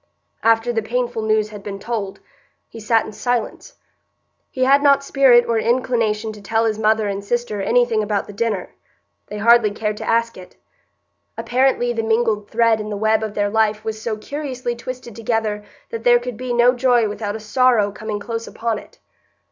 After the painful news had been told, he sat in silence; he had not spirit or inclination to tell his mother and sister anything about the dinner; they hardly cared to ask it. Apparently the mingled thread in the web of their life was so curiously twisted together that there could be no joy without a sorrow coming close upon it.